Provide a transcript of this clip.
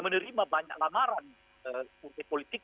menerima banyak lamaran politik